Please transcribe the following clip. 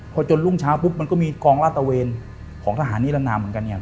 พอจนรุ่งเช้าปุ๊บมันก็มีกองลาตะเวนของทหารนิรนามเหมือนกันเนี่ย